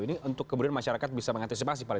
ini untuk kemudian masyarakat bisa mengantisipasi pak